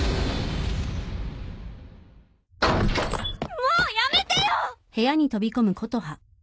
もうやめてよ！